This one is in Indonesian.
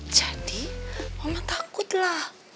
jadi mama takut lah